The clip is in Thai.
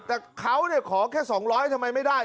แต่เขาขอแค่๒๐๐ทำไมไม่ได้